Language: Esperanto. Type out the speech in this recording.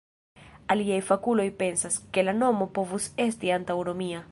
Aliaj fakuloj pensas, ke la nomo povus esti antaŭromia.